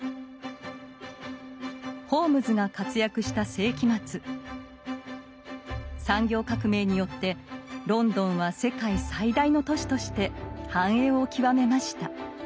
ホームズが活躍した世紀末産業革命によってロンドンは世界最大の都市として繁栄を極めました。